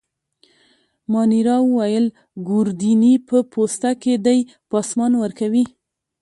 مانیرا وویل: ګوردیني په پوسته کي دی، پاسمان ورکوي.